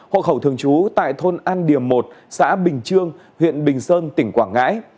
hộ khẩu thường trú tại thôn an điềm một xã bình trương huyện bình sơn tỉnh quảng ngãi